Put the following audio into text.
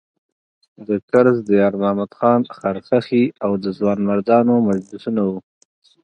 د کرز د یارمحمد خان خرخښې او د ځوانمردانو مجلسونه وو.